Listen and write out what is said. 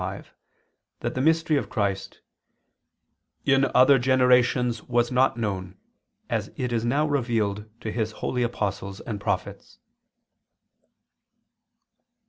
3:5) that the mystery of Christ, "in other generations was not known, as it is now revealed to His holy apostles and prophets."